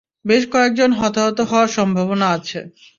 বেশ কয়েকজন হতাহত হওয়ার সম্ভাবনা আছে।